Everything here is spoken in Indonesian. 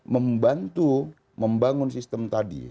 membantu membangun sistem tadi